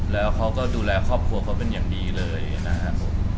แล้วเขาก็ดูแลครอบครัวเขาเป็นอย่างดีเลยนะครับผม